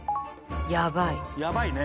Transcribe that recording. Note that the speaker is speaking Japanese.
「やばい」。